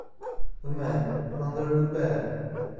The Man Under the Bed